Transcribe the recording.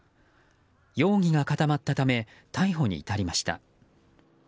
容疑が固まったため逮捕に至りました。